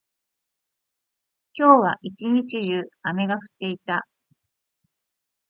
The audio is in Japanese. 今日は一日中、雨が降っていた。